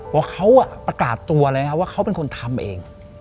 เพราะเขาประกาศตัวเลยว่าเขาเป็นคนทำเอง